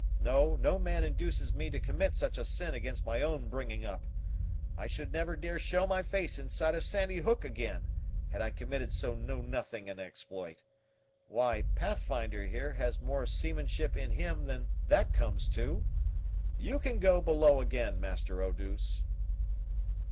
No; no man induces me to commit such a sin against my own bringing up. I should never dare show my face inside of Sandy Hook again, had I committed so know nothing an exploit. Why, Pathfinder, here, has more seamanship in him than that comes to. You can go below again, Master Eau douce."